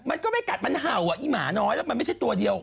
มันก็ไม่กัดมันเห่าอ่ะอีหมาน้อยแล้วมันไม่ใช่ตัวเดียว